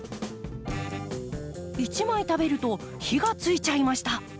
一枚食べると火がついちゃいました。